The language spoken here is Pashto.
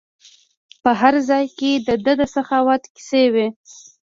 په هر ځای کې د ده سخاوت کیسې وي.